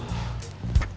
berarti biaya itu